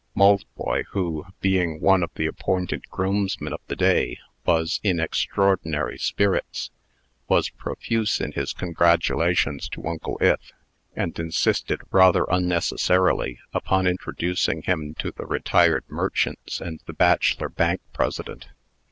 Maltboy, who, being one of the appointed groomsmen of the day, was in extraordinary spirits, was profuse in his congratulations to Uncle Ith, and insisted, rather unnecessarily, upon introducing him to the retired merchants and the bachelor Bank President.